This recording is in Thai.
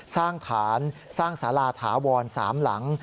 สร้างฐานสร้างสาราถาวร๓หลัง